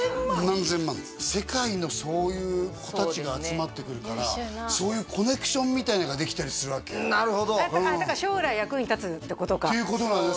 何千万世界のそういう子達が集まってくるからそういうコネクションみたいなのができたりするわけなるほど将来役に立つってことかっていうことなんだよ